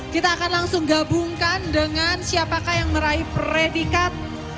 kita akan langsung gabungkan dengan siapakah yang meraih predikat